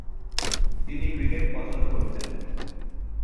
তিনি ক্রিকেট পছন্দ করতেন।